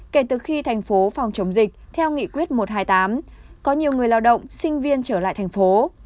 kể từ khi thành phố phòng chống dịch theo nghị quyết một trăm hai mươi tám có nhiều người lao động sinh viên trở lại thành phố